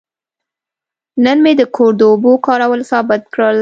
نن مې د کور د اوبو کارول ثابت کړل.